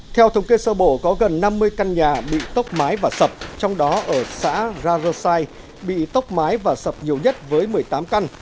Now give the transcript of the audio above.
theo thống kê sơ bộ có gần năm mươi căn nhà bị tốc mái và sập trong đó ở xã rarosai bị tốc mái và sập nhiều nhất với một mươi tám căn